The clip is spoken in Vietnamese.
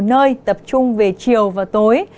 nơi tập trung về chiều và tối